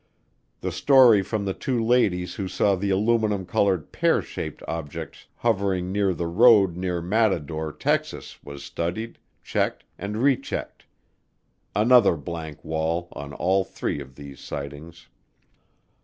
The story from the two ladies who saw the aluminum colored pear shaped object hovering near the road near Matador, Texas, was studied, checked, and rechecked. Another blank wall on all three of these sightings.